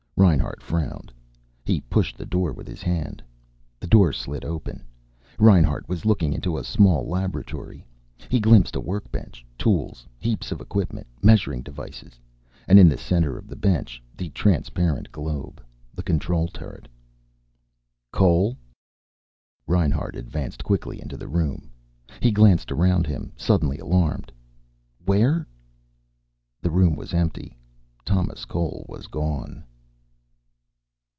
Reinhart frowned. He pushed the door with his hand. The door slid open. Reinhart was looking into a small laboratory. He glimpsed a workbench, tools, heaps of equipment, measuring devices, and in the center of the bench the transparent globe, the control turret. "Cole?" Reinhart advanced quickly into the room. He glanced around him, suddenly alarmed. "Where " The room was empty. Thomas Cole was gone.